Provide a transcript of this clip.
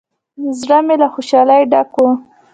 زړه مې له خوشالۍ ډک و.